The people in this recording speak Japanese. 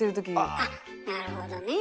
あっなるほどねえ。